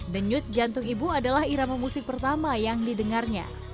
denyut jantung ibu adalah irama musik pertama yang didengarnya